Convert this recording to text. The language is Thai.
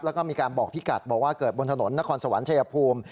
แล้วก็มีการบอกพี่กัดบอกว่าเกิดบนถนนนครสวรรค์ชายภูมิ